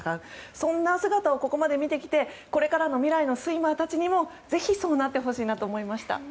そんな姿をここまで見てきてこれからの未来のスイマーたちにもぜひ、そうなってほしいなと思いました。